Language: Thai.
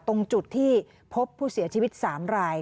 ตรงจุดที่พบผู้เสียชีวิต๓ราย